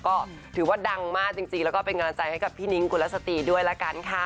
ก็ถือว่าดังมากจริงแล้วก็เป็นกำลังใจให้กับพี่นิ้งกุลสตรีด้วยละกันค่ะ